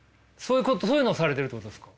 そういうのをされてるってことですか？